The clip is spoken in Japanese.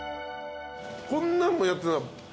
こんなんもやってた？